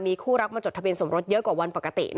มีคู่รักมาจดทะเบียนสมรสเยอะกว่าวันปกติ